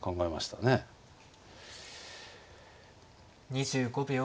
２５秒。